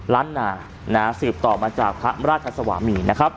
รัดหนาสืบตอบมาจากพระราชสวามี